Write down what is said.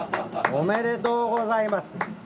おめでとうございます。